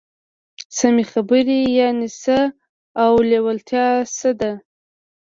سمې خبرې يانې څه او لېوالتيا څه ده؟